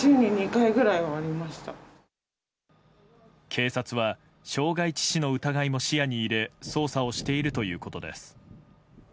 警察は傷害致死の疑いも視野に入れ捜査をしているということです。